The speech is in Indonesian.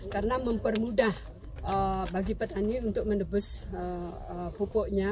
karena mempermudah bagi petani untuk mendebus pupuknya